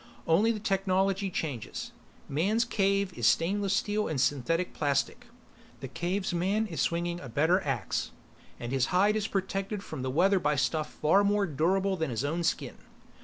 Only the technology changes. Man's cave is stainless steel and synthetic plastic; the cave's man is swinging a better axe, and his hide is protected from the weather by stuff far more durable than his awn skin.